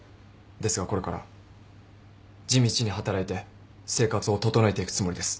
ですがこれから地道に働いて生活を整えていくつもりです。